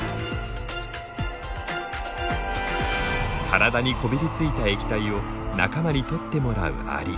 体にこびりついた液体を仲間に取ってもらうアリ。